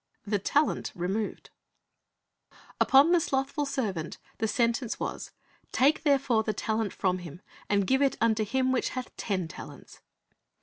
THE TALENT REMOVED Upon the slothful servant the sentence was, "Take therefore the talent from him, and give it unto him which hath ten talents."